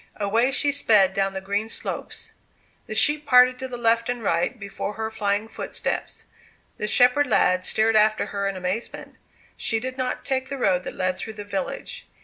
Away she sped down the green slopes; the sheep parted to left and right before her flying footsteps; the shepherd lad stared after her in amazement. She did not take the road that led through the village.